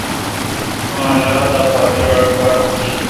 مہ انر دا پہ دراݭ باڑ خوش۔